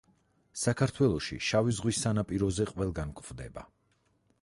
საქართველოში შავი ზღვის სანაპიროზე ყველგან გვხვდება.